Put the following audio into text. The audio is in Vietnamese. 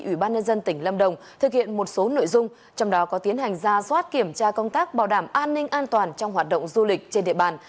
ủy ban nhân dân tỉnh lâm đồng thực hiện một số nội dung trong đó có tiến hành ra soát kiểm tra công tác bảo đảm an ninh an toàn trong hoạt động du lịch trên địa bàn